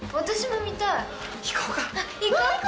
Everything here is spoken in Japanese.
私も見たい！